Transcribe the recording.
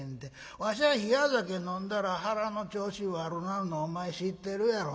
わしは冷や酒飲んだら腹の調子悪なるのお前知ってるやろ。